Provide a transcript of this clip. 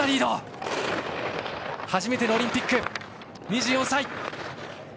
初めてのオリンピック２４歳。